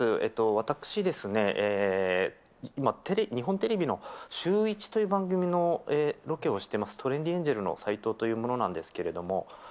私ですね、今、日本テレビのシューイチという番組のロケをしております、トレンディエンジェルの斎藤というものなんですけれども。